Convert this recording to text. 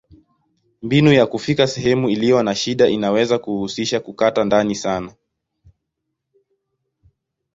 Mbinu ya kufikia sehemu iliyo na shida inaweza kuhusisha kukata ndani sana.